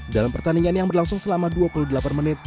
dalam pertandingan yang berlangsung selama dua puluh delapan menit